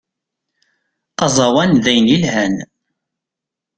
Azawan dayen yelhan.